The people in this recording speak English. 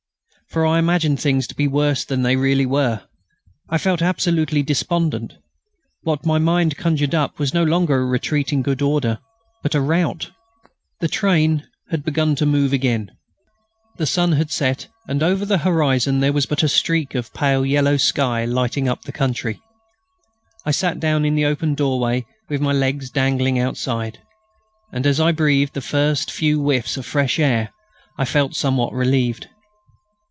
For I imagined things to be worse than they really were. I felt absolutely despondent. What my mind conjured up was no longer a retreat in good order but a rout. The train had begun to move again. The sun had set, and over the horizon there was but a streak of pale yellow sky lighting up the country. I sat down in the open doorway with my legs dangling outside, and as I breathed the first few whiffs of fresh air I felt somewhat relieved.